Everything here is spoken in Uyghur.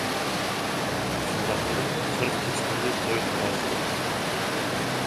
شۇنداق قىلىپ، قىرىق كېچە-كۈندۈز توي-تاماشا بوپتۇ.